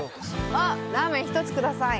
あっラーメン１つ下さい。